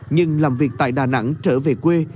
nhưng làm việc tại đà nẵng trở về quê